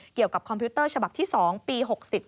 เกี่ยวกับคอมพิวเตอร์ฉบับที่๒ปี๖๐